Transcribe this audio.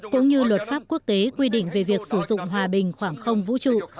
cũng như luật pháp quốc tế quy định về việc sử dụng hòa bình khoảng không vũ trụ